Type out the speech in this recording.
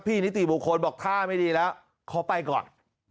นิติบุคคลบอกท่าไม่ดีแล้วขอไปก่อน